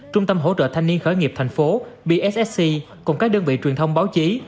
trung tâm hỗ trợ thanh niên khởi nghiệp tp bssc cùng các đơn vị truyền thông báo chí